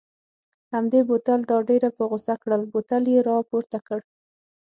همدې بوتل دا ډېره په غوسه کړل، بوتل یې را پورته کړ.